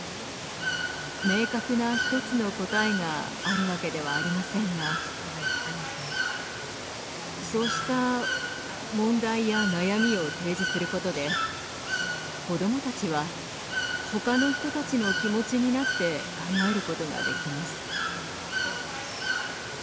明確な一つの答えがあるわけではありませんがそうした問題や悩みを提示することで子どもたちはほかの人たちの気持ちになって考えることができます。